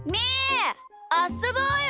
あっそぼうよ！